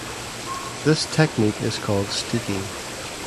This technique is called steeking.